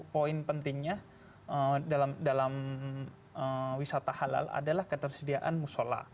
poin pentingnya dalam wisata halal adalah ketersediaan musola